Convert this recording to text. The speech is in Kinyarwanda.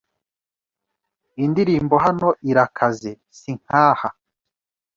Indirimbo hano irakaze si nkaha